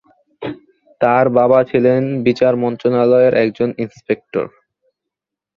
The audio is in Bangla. তার বাবা ছিলেন বিচার মন্ত্রণালয়ের একজন ইন্সপেক্টর।